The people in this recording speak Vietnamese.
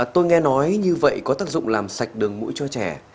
tôi nghe nói như vậy có tác dụng làm sạch đường mũi cho trẻ